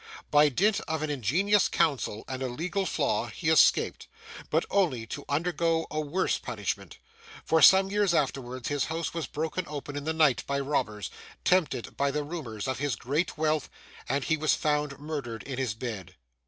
By dint of an ingenious counsel, and a legal flaw, he escaped; but only to undergo a worse punishment; for, some years afterwards, his house was broken open in the night by robbers, tempted by the rumours of his great wealth, and he was found murdered in his bed.